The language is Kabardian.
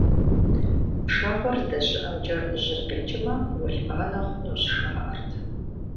Пшагъуэр здэщыӏэмкӏэ жьыр къикӏмэ, уэлбанэ хъунущ, жаӀэрт.